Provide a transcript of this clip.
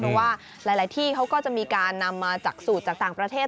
เพราะว่าหลายที่เขาก็จะมีการนำมาจากสูตรจากต่างประเทศ